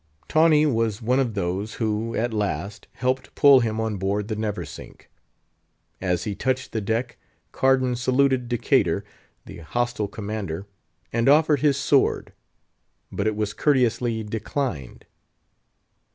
Tawney was one of those who, at last, helped pull him on board the Neversink. As he touched the deck, Cardan saluted Decatur, the hostile commander, and offered his sword; but it was courteously declined.